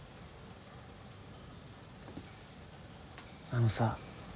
あのさ。